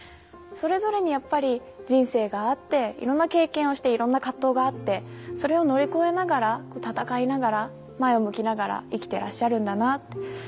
それぞれにやっぱり人生があっていろんな経験をしていろんな葛藤があってそれを乗り越えながら闘いながら前を向きながら生きていらっしゃるんだなって。